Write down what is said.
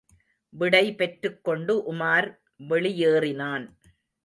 விடைபெற்றுக் கொண்டு உமார் வெளியேறினான்.